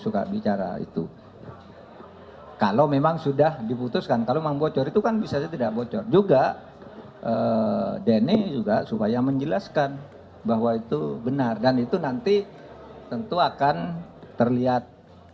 orang yang membocorkan informasi tersebut